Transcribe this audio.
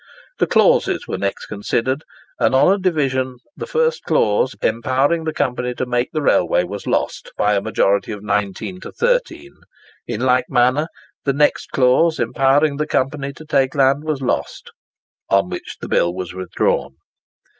The clauses were next considered, and on a division the first clause, empowering the Company to make the railway, was lost by a majority of 19 to 13. In like manner, the next clause, empowering the Company to take land, was lost; on which the bill was withdrawn.